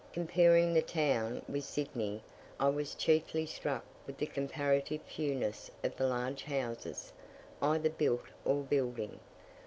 Comparing the town with Sydney, I was chiefly struck with the comparative fewness of the large houses, either built or building.